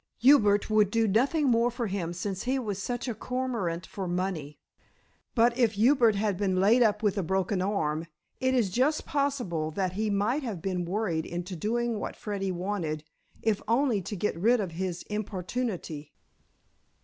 Hubert would do nothing more for him since he was such a cormorant for money. But if Hubert had been laid up with a broken arm, it is just possible that he might have been worried into doing what Freddy wanted, if only to get rid of his importunity."